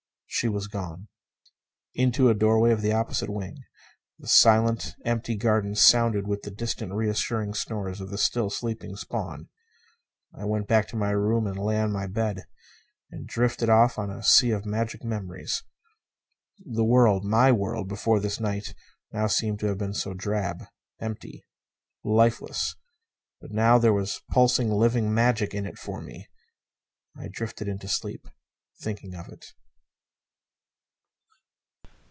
She was gone, into a doorway of the opposite wing. The silent, empty garden sounded with the distant, reassuring snores of the still sleeping Spawn. I went back to my room and lay on my bed. And drifted off on a sea of magic memories. The world my world before this night now seemed to have been so drab. Empty. Lifeless. But now there was pulsing, living magic in it for me. I drifted into sleep, thinking of it.